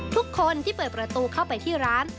ทุกคนที่เปิดประตูเข้าไปที่ร้าน